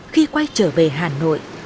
khi quay trở về hà nội